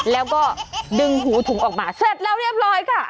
แล้วก็ดึงหูถุงออกมาเสร็จแล้วเรียบร้อยค่ะ